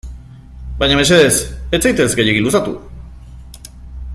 Baina mesedez, ez zaitez gehiegi luzatu.